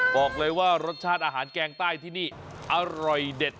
บอกเลยว่ารสชาติอาหารแกงใต้ที่นี่อร่อยเด็ด